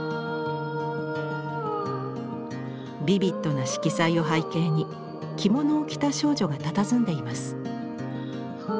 ビビッドな色彩を背景に着物を着た少女がたたずんでいます。